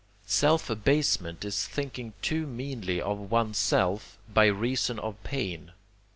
Self abasement is thinking too meanly of one's self by reason of pain.